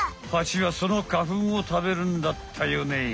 ハチはその花ふんをたべるんだったよね。